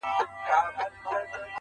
د پیښي جديت د طنز تر شا کمزوری کيږي,